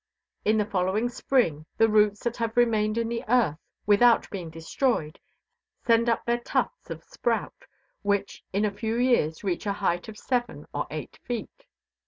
In the following spring the roots that have remained in the earth without being destroyed send up their tufts of sprouts, which in a few years reach a height of seven or eight feet.